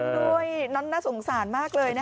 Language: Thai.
เอาใจช่วยนอนด้วยนอนน่าสงสารมากเลยนะฮะ